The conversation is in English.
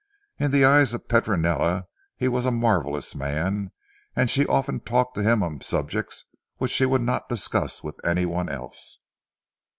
In the eyes of Petronella he was a marvellous man, and she often talked to him on subjects which she would not discuss with anyone else.